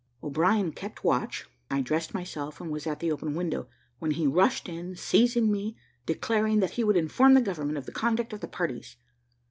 O'Brien kept watch I dressed myself, and was at the open window, when he rushed in, seizing me and declaring that he would inform the government of the conduct of the parties.